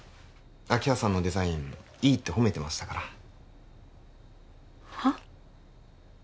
明葉さんのデザインいいって褒めてましたからはっ？